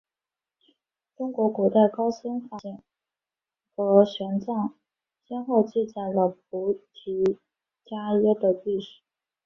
中国古代高僧法显和玄奘先后记载了菩提伽耶的历史。